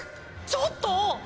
ちょっと！